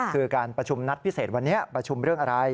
คือการประชุมนัดพิเศษวันนี้ประชุมเรื่องอะไร